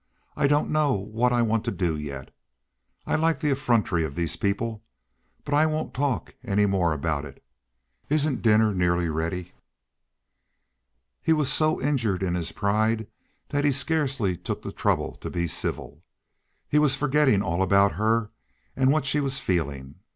I don't know what I want to do yet. I like the effrontery of these people! But I won't talk any more about it; isn't dinner nearly ready?" He was so injured in his pride that he scarcely took the trouble to be civil. He was forgetting all about her and what she was feeling.